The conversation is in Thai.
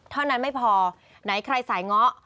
เท่านั้นไม่พอไหนใครสายเงาะ